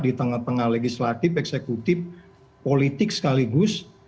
di tengah tengah legislatif eksekutif politik sekaligus